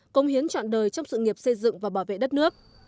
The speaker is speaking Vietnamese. công hiến trọn đời trong sự nghiệp xây dựng và bảo vệ đất nước